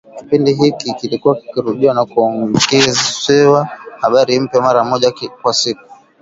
Kipindi hiki kilikuwa kikirudiwa na kuongezewa habari mpya, mara moja kwa siku